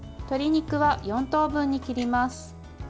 鶏肉は４等分に切ります。